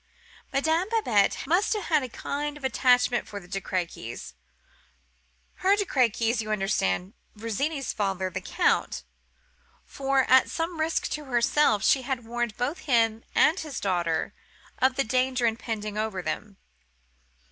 Madame Babette must have had a kind of attachment for the De Crequys—her De Crequys, you understand—Virginie's father, the Count; for, at some risk to herself, she had warned both him and his daughter of the danger impending over them.